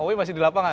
owe masih di lapangan